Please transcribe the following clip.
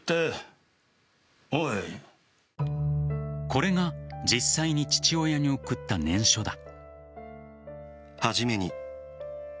これが実際に父親に送った念書だ。